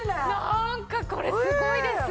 なんかこれすごいですよ。